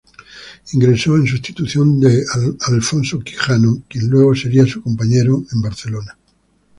Ingresó en sustitución de Alfonso Quijano, quien luego sería su compañero en Barcelona.